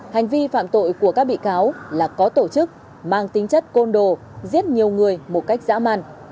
hành vi phạm tội của các bị cáo là có tổ chức mang tính chất côn đồ giết nhiều người một cách dã man